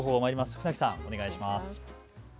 船木さんお願いします。